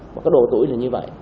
và cái độ tuổi là như vậy